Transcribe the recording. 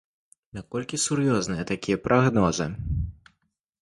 Наколькі сур'ёзныя такія прагнозы?